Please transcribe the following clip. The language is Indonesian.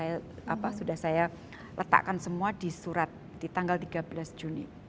hal hal lain sudah saya letakkan semua di surat di tanggal tiga belas juni